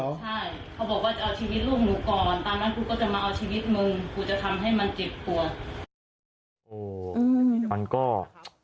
ตามนั้นกูก็จะมาเอาชีวิตมึงกูจะทำให้มันจิบตัว